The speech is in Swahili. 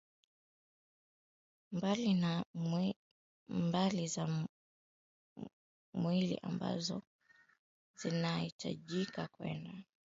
li mbali za mwili ambapo zinahitajika kwenda